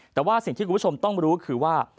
แต่ว่าสิ่งที่คุณผู้ชมต้องรู้คือว่า